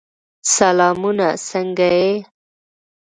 سلامونه! څنګه یې؟